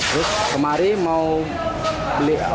terus kemari mau beli durian ini ya